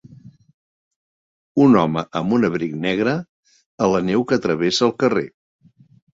Un home amb un abric negre a la neu que travessa el carrer.